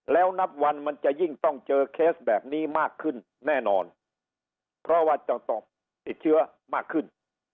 แล้วนับวันมันจะยิ่งต้องเจอเคสแบบนี้มากขึ้นแน่นอนเพราะว่าจะต้องติดเชื้อมากขึ้น